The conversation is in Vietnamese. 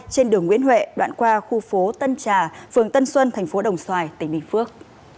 trên đường nguyễn huệ đoạn qua khu phố tân trà phường tân xuân thành phố đồng xoài tỉnh bình phước